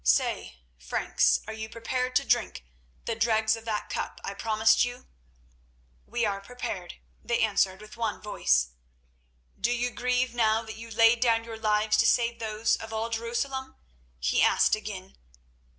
Say, Franks, are you prepared to drink the dregs of that cup I promised you?" "We are prepared," they answered with one voice. "Do you grieve now that you laid down your lives to save those of all Jerusalem?" he asked again.